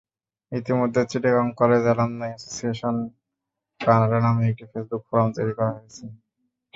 ইতিমধ্যে Chittagong college alumni association, Canada নামে একটি ফেসবুক ফোরাম তৈরি করা হয়েছে।